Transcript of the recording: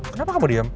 kenapa kamu diam